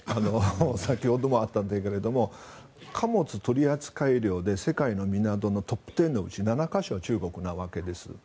先ほどもあったんだけども貨物取扱量で世界の港のトップ１０のうち７か所は中国のわけです。